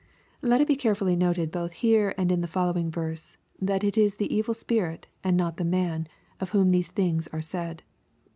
] Let it be carefully noted both here and in the following verse, that it is the evil spirit, and not the man, of whom these things are said.